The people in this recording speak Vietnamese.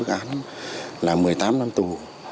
cái bức án là một mươi tám năm tù